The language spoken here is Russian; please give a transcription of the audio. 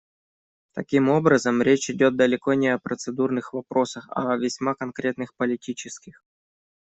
Таким образом, речь идет далеко не о процедурных вопросах, а о весьма конкретных политических.